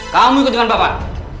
kamu ikut dengan bapak